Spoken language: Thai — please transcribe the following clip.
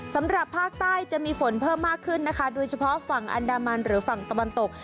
สำหรับภาคใต้จะมีฝนเพิ่มมากขึ้นนะคะโดยเฉพาะฝั่งอันดามันหรือฝั่งตะวันตก